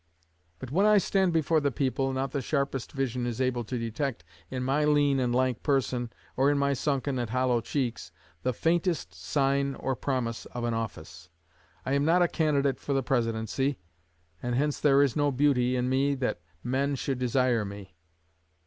But when I stand before the people, not the sharpest vision is able to detect in my lean and lank person, or in my sunken and hollow cheeks, the faintest sign or promise of an office. I am not a candidate for the Presidency, and hence there is no beauty in me that men should desire me.'